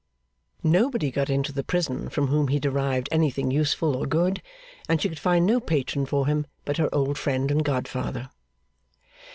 Nobody got into the prison from whom he derived anything useful or good, and she could find no patron for him but her old friend and godfather.